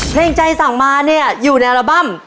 เพลงใจสั่งมาเนี่ยอยู่ในอัลบั้ม